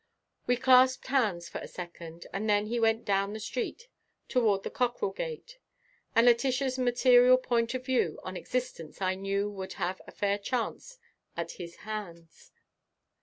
We clasped hands for a second and then he went on down the street toward the Cockrell gate; and Letitia's material point of view on existence I knew would have a fair chance at his hands.